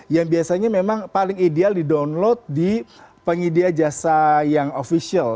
yang biasanya memang paling ideal di download di penyedia jasa yang official